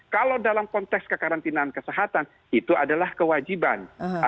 kalau dalam konteks kekarantinaan kesehatan itu adalah kewajiban